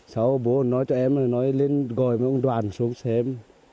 sau bố nói cho em nói lên gọi một đoàn xuống xem